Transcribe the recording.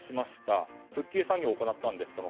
この間に復旧作業を行ったんです。